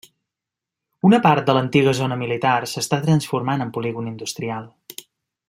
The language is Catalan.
Una part de l'antiga zona militar s'està transformant en polígon industrial.